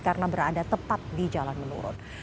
karena berada tepat di jalan menurun